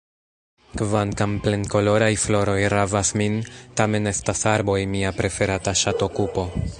Kvankam plenkoloraj floroj ravas min, tamen estas arboj mia preferata ŝatokupo.